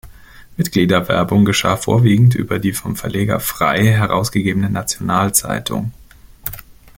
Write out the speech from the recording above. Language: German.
Mitgliederwerbung geschah vorwiegend über die vom Verleger Frey herausgegebene National-Zeitung.